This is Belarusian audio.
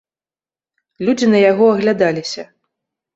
Людзі на яго аглядаліся.